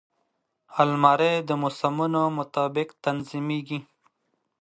الماري د موسمونو مطابق تنظیمېږي